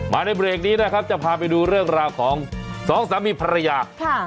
ในเบรกนี้นะครับจะพาไปดูเรื่องราวของสองสามีภรรยาค่ะ